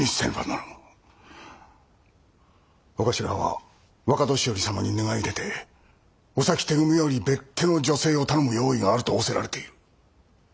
長官は若年寄様に願い出て御先手組より別手の助勢を頼む用意があると仰せられている。